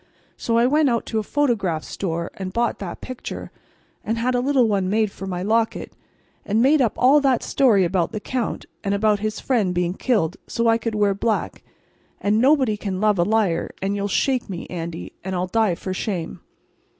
So I went out to a photograph store and bought that picture, and had a little one made for my locket, and made up all that story about the Count, and about his being killed, so I could wear black. And nobody can love a liar, and you'll shake me, Andy, and I'll die for shame.